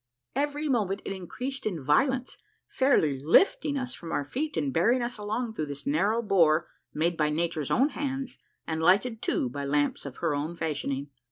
Every moment it increased in violence, fairly lifting us from our feet and bearing us along through this narrow bore made by nature's own hands and lighted too by lamps of her own fashion ing.